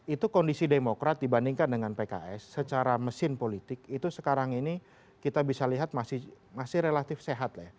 itu kondisi demokrat dibandingkan dengan pks secara mesin politik itu sekarang ini kita bisa lihat masih relatif sehat lah